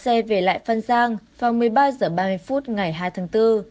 tô hiếu đưa xe về lại phân giang vào một mươi ba h ba mươi phút ngày hai tháng bốn